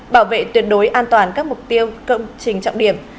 bảo vệ tuyệt đối an toàn các mục tiêu công trình trọng điểm